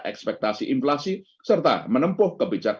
ekspektasi inflasi serta menempuh kebijakan